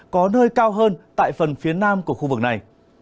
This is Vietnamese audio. có nơi cao hơn tại phần phía nam của khu vực này